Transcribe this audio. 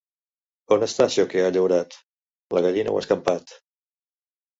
On està això que ha llaurat? La gallina ho ha escampat.